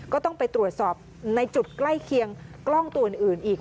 ก็ต้องไปตรวจสอบในจุดใกล้เคียงกล้องตัวอื่นอีก